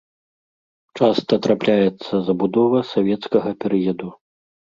Часта трапляецца забудова савецкага перыяду.